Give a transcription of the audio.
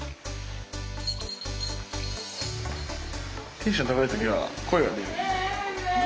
テンション高い時は声が出る。